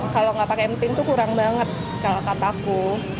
kalau nggak pakai emping tuh kurang banget kalau kataku